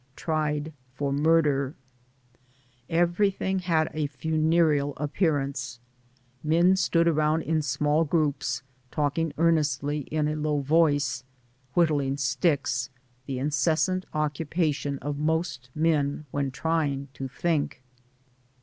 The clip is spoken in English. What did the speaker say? TRIED FOR MURDER. Everything had a funereal appearance. Men stood around in small groups talking earnestly in a low voice, whittling sticks, the incessant occupation of most men when try ing to think.